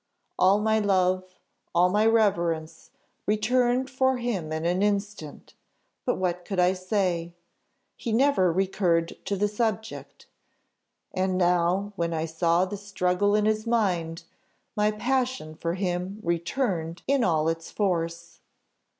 "All my love all my reverence, returned for him in an instant; but what could I say? He never recurred to the subject; and now, when I saw the struggle in his mind, my passion for him returned in all its force.